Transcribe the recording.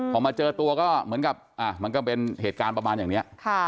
พอมาเจอตัวก็เหมือนกับมันก็เป็นเหตุการณ์ประมาณอย่างนี้